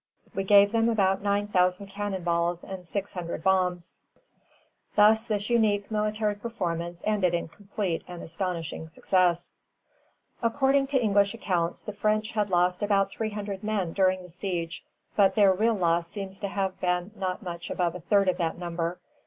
We gave them about nine thousand cannon balls and six hundred bombs." [Footnote: Pepperrell to Shirley, 18 June (old style,) 1745. Ibid., 4 July, 1745.] Thus this unique military performance ended in complete and astonishing success. According to English accounts, the French had lost about three hundred men during the siege; but their real loss seems to have been not much above a third of that number.